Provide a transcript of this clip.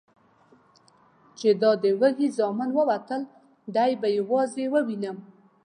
چې دا د وږي زامن ووتل، دی به یوازې ووینم؟